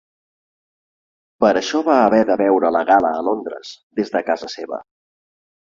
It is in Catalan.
Per això va haver de veure la gala a Londres des de casa seva.